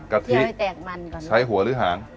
กะทิใช้หัวหรือหาง